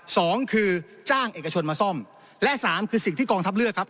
สองคือจ้างเอกชนมาซ่อมและสามคือสิ่งที่กองทัพเลือกครับ